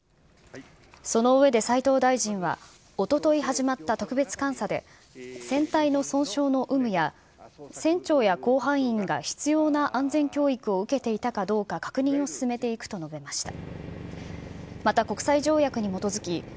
その上で斉藤大臣は、おととい始まった特別監査で、船体の損傷の有無や、船長や甲板員が必要な安全教育を受けていたかどうか確認を進めていくと述べました。